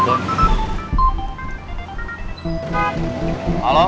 kumpulkan anak buah kalian